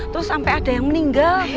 terus sampai ada yang meninggal